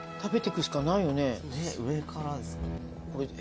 上からですかね。